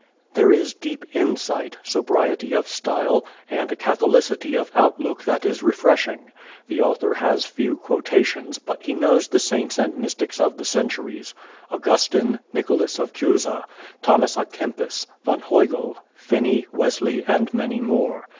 There is deep insight, sobriety of style, and a catholicity of outlook that is refreshing. The author has few quotations but he knows the saints and mystics of the centuries Augustine, Nicholas of Cusa, Thomas à Kempis, von Hügel, Finney, Wesley and many more.